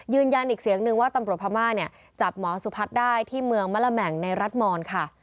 ยืนยันอีกเสียงนึงว่าตำรวจพม่าเนี่ยจับหมอสุพัฒน์ได้ที่เมืองมะละแหม่งในรัฐมอนค่ะ